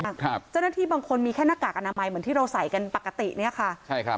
ครับเจ้าหน้าที่บางคนมีแค่หน้ากากอนามัยเหมือนที่เราใส่กันปกติเนี้ยค่ะใช่ครับ